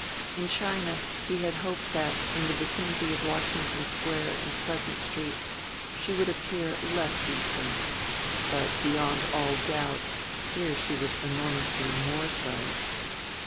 In China he had hoped that in the vicinity of Washington Square and Pleasant Street she would appear less Eastern; but, beyond all doubt, here she was enormously more so.